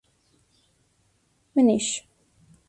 منیش!